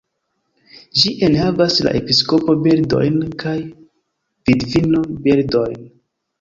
Ĝi enhavas la "episkopo-birdojn" kaj "vidvino-birdojn".